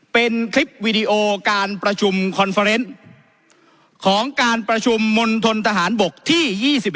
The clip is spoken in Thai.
เป็นคลิปวีดีโอการประชุมคอนเฟอร์เนส์ของการประชุมมณฑนทหารบกที่๒๑